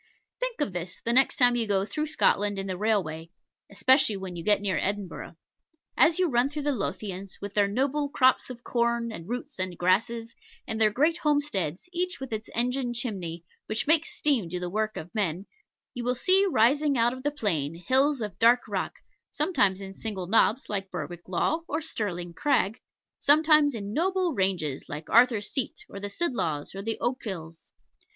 Think of this the next time you go through Scotland in the railway, especially when you get near Edinburgh. As you run through the Lothians, with their noble crops of corn, and roots, and grasses and their great homesteads, each with its engine chimney, which makes steam do the work of men you will see rising out of the plain, hills of dark rock, sometimes in single knobs, like Berwick Law or Stirling Crag sometimes in noble ranges, like Arthur's Seat, or the Sidlaws, or the Ochils.